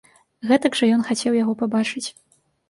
Гэтак жа ён хацеў яго пабачыць!